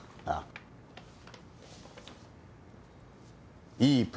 ああいい